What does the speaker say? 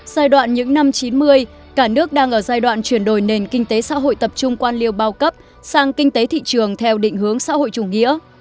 giai đoạn những năm chín mươi cả nước đang ở giai đoạn chuyển đổi nền kinh tế xã hội tập trung quan liêu bao cấp sang kinh tế thị trường theo định hướng xã hội chủ nghĩa